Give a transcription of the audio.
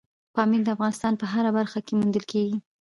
پامیر د افغانستان په هره برخه کې موندل کېږي.